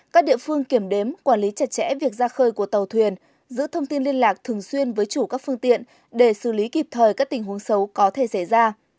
các địa phương kiểm đếm quản lý chặt chẽ việc ra khơi của tàu thuyền giữ thông tin liên lạc thường xuyên với chủ các phương tiện để xử lý kịp thời các tình huống xấu có thể xảy ra